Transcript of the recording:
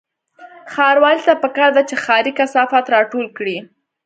ښاروالۍ ته پکار ده چې ښاري کثافات راټول کړي